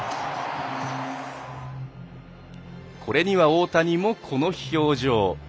これには大谷も、この表情。